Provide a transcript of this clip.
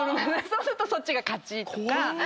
そうするとそっちが勝ちとか。